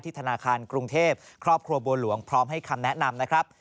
ธนาคารกรุงเทพครอบครัวบัวหลวงพร้อมให้คำแนะนำนะครับ